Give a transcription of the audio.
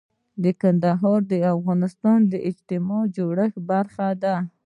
کندهار د افغانستان د اجتماعي جوړښت برخه ده.